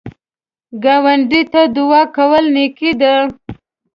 ګاونډي ته دعا کول نیکی ده